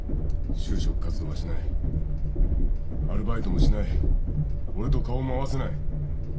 就職活動はしないアルバイトもしない俺と顔も合わせない。